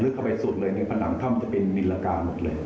เข้าไปสุดเลยในผนังถ้ำจะเป็นนิรกาหมดเลย